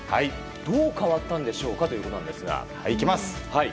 どう変わったんでしょうかということですが。